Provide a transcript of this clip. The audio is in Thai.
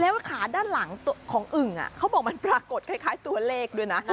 แล้วขาด้านหลังของอึ่งเขาบอกมันปรากฏคล้ายตัวเลขด้วยนะ